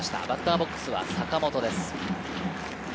バッターボックスは坂本です。